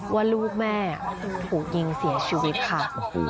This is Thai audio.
ว่าลูกแม่ถูกยิงเสียชีวิตค่ะ